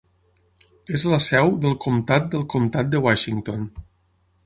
És la seu del comtat del Comtat de Washington.